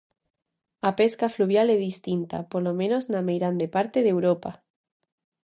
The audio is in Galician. A pesca fluvial é distinta, polo menos na meirande parte de Europa.